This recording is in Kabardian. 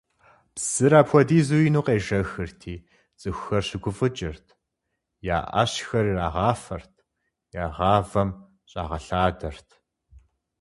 Псыр апхуэдизу ину къежэхырти, цӀыхухэр щыгуфӀыкӀырт: я Ӏэщхэр ирагъафэрт, я гъавэм щӀагъэлъадэрт.